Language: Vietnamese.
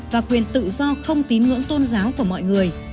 và quyền tự do không tín ngưỡng tôn giáo của mọi người